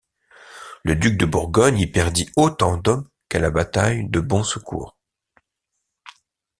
Le duc de Bourgogne y perdit autant d'hommes qu'à la bataille de Bonsecours.